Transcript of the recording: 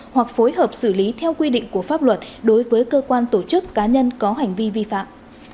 hoặc phối hợp xử lý theo quy định của pháp luật đối với cơ quan tổ chức cá nhân có hành vi vi phạm